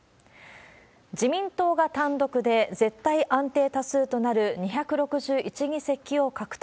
自民党が単独で絶対安定多数となる２６１議席を獲得。